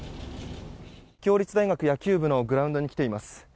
協立大学野球部のグラウンドに来ています。